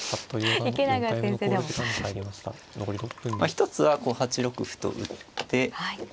一つは８六歩と打って。